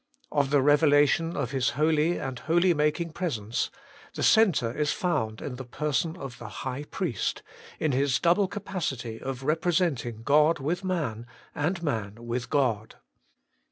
Of the revelation of His Holy and His Holy making Presence, the centre is found in the person of the high priest, in his double capacity of representing God with man, and man with God.